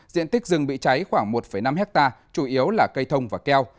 diện tích rừng bị cháy khoảng một năm hectare chủ yếu là cây thông và keo